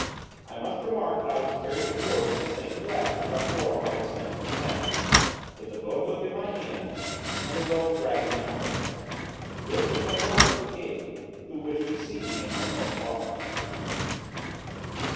I must remark that I was carried to court in the same dress which I wore on my descent to the planet, with the boat hook in my hand and the rope dragging after me. This was by order of the king, who wished to see me in my own bark.